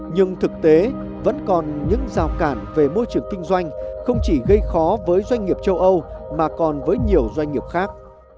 nhưng thực tế vẫn còn những rào cản về môi trường kinh doanh không chỉ gây khó với doanh nghiệp châu âu mà còn với nhiều doanh nghiệp khác